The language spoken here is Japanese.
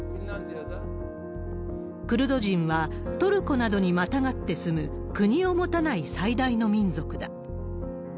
クルド人は、トルコなどにまたがって住む、国を持たない最大の民族だ。